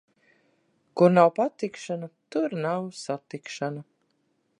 Kur nav patikšana, tur nav satikšana.